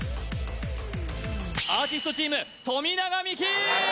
アーティストチーム富永美樹